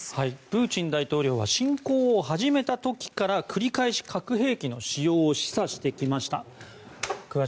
プーチン大統領は侵攻を始めた時から繰り返し核兵器の使用を示唆してきました。